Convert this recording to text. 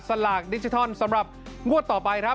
สะลากดิจิทัลสำหรับงวดต่อ